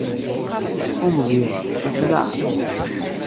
Umeẓyan, yexleɛ.